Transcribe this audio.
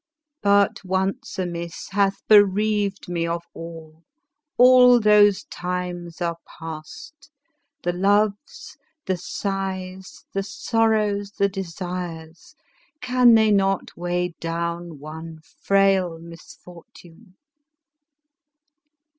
But once amiss, hath bereaved me of all. All those times are past ; the loves, the sighs, the sorrows, the desires, can they not weigh down one frail misfortune